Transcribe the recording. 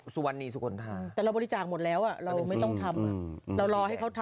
สุพรรณทรีย์